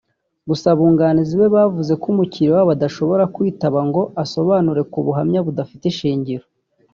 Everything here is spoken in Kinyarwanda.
gusa abunganizi be bavuze ko umukiliya wabo adashobora kwitaba ngo asobanure ku buhamya budafite ishingiro